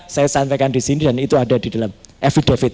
saya sampaikan disini dan itu ada di dalam affidavit